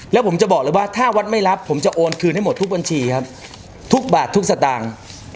แล้วผมจะบอกเลยว่าถ้าวัดไม่รับผมจะโอนคืนให้หมดทุกบัญชีครับทุกบาททุกสตางค์